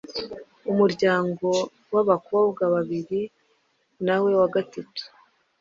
umuryango w’abakobwa babiri nawe wa gatatu